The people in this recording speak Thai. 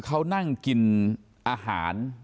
เขานั่งกินอาหาร